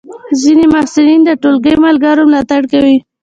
ځینې محصلین د ټولګی ملګرو ملاتړ کوي.